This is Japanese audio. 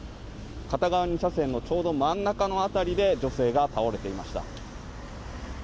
片側２車線のちょうど真ん中の辺りで女性が倒れていました。